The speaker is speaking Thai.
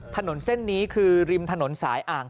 ถนนเส้นนี้คือริมถนนสายอ่าง